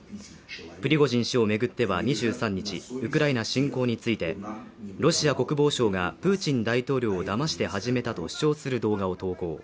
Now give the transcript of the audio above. プリゴジン氏を巡っては２３日、ウクライナ侵攻について、ロシア国防省が、プーチン大統領騙して始めたと主張する動画を投稿。